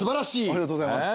ありがとうございます。